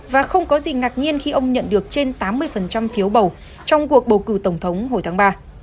và không có gì ngạc nhiên khi ông nhận được trên tám mươi phiếu bầu trong cuộc bầu cử tổng thống hồi tháng ba